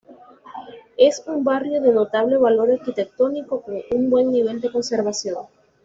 Es un barrio de notable valor arquitectónico, con un buen nivel de conservación.